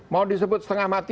mau disebut setengah mati